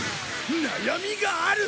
悩みがある！